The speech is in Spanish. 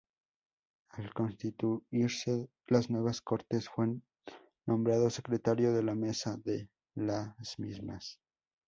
Al constituirse las nuevas Cortes fue nombrado secretario de la mesa de las mismas.